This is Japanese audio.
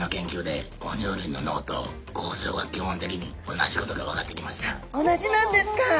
同じなんですか！